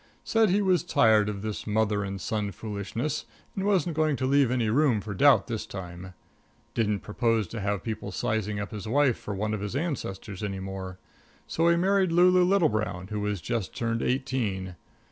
Said he was tired of this mother and son foolishness, and wasn't going to leave any room for doubt this time. Didn't propose to have people sizing his wife up for one of his ancestors any more. So he married Lulu Littlebrown, who was just turned eighteen.